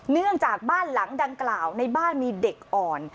เนื่องจากบ้านหลังดังกล่าวในบ้านมีเด็กอ่อน